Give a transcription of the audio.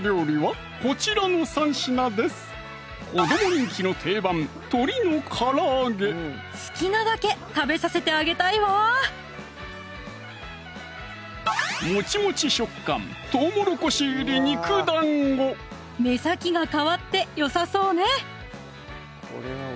人気の定番好きなだけ食べさせてあげたいわもちもち食感目先が変わってよさそうね